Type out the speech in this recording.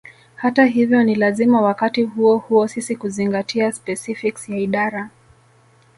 Hata hivyo ni lazima wakati huo huo sisi kuzingatia specifics ya idara